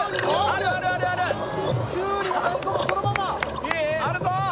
あるあるあるあるきゅうりも大根もそのままあるぞ！